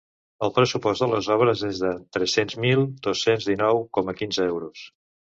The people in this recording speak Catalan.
El pressupost de les obres és de tres-cents mil dos-cents dinou coma quinze euros.